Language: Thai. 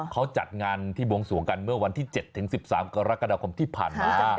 เขาจัดงานที่บวงสวงกันเมื่อวันที่๗๑๓กรกฎาคมที่ผ่านมา